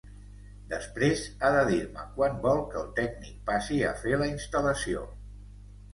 Després, ha de dir-me quan vol que el tècnic passi a fer la instal·lació.